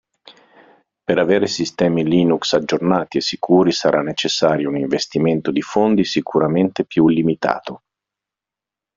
Per avere sistemi Linux aggiornati e sicuri sarà necessario un investimento di fondi sicuramente più limitato.